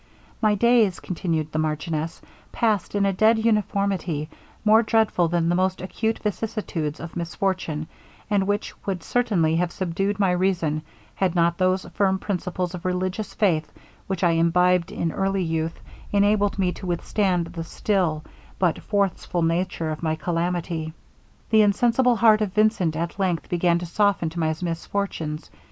'My days,' continued the marchioness, 'passed in a dead uniformity, more dreadful than the most acute vicissitudes of misfortune, and which would certainly have subdued my reason, had not those firm principles of religious faith, which I imbibed in early youth, enabled me to withstand the still, but forceful pressure of my calamity. 'The insensible heart of Vincent at length began to soften to my misfortunes.